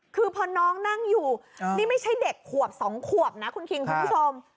คือพอน้องนั่งอยู่นี่ไม่ใช่เด็กขวบ๒ขวบนะคุณคิงคุณผู้ชม